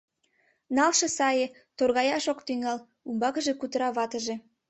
Налше сае, торгаяш ок тӱҥал, — умбакыже кутыра ватыже.